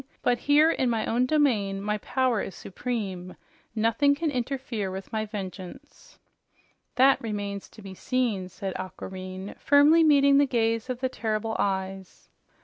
"But here in my own domain my power is supreme. Nothing can interfere with my vengeance." "That remains to be seen," said Aquareine, firmly meeting the gaze of the terrible eyes.